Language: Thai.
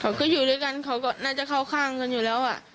เขาก็อยู่ด้วยกันเขาก็น่าจะเข้าข้างกันอยู่แล้ว